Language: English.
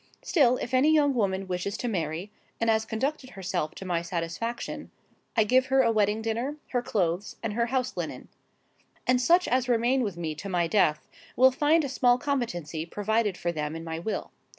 Still, if any young woman wishes to marry, and has conducted herself to my satisfaction, I give her a wedding dinner, her clothes, and her house linen. And such as remain with me to my death, will find a small competency provided for them in my will.